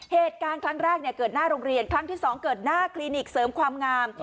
เหตุการณ์ครั้งแรกเกิดหน้าโรงเรียนครั้งที่๒เกิดหน้าคลินิกเสริมความงาม